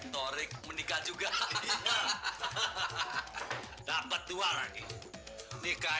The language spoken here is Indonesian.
sinta pamit dulu ya